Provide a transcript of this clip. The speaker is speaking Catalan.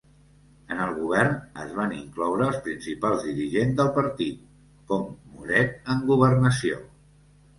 En el govern es van incloure els principals dirigents del partit, com Moret en Governació.